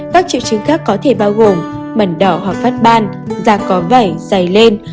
các triệu chứng khác có thể bao gồm mẩn đỏ hoặc phát ban da có vẩy dày lên